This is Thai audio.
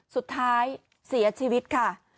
สุดท้ายเสียชีวิตค่ะ